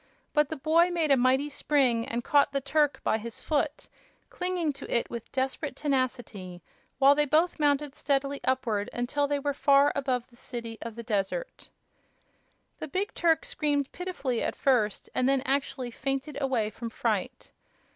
But the boy made a mighty spring and caught the Turk by his foot, clinging to it with desperate tenacity, while they both mounted steadily upward until they were far above the city of the desert. The big Turk screamed pitifully at first, and then actually fainted away from fright.